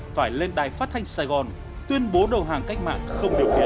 phải lên đài phát thanh sài gòn tuyên bố đầu hàng cách mạng không điều kiện